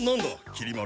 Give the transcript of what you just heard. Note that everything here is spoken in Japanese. きり丸。